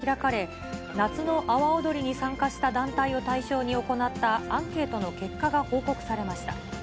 きょう、阿波おどり実行委員会の会合が開かれ、夏の阿波おどりに参加した団体を対象に行ったアンケートの結果が報告されました。